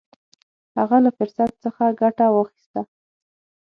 هغه له فرصت څخه ګټه واخیسته.